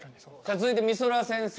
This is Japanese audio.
続いてみそら先生。